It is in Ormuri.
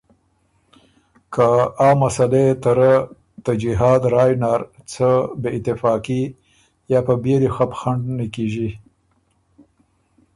که آ مسلۀ يې ته رۀ ته جهاد رایٛ نر څه بې اتفاقي یا په بيېلی خپ خنډ نیکیݫی۔